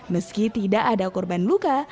meski tidak ada korban luka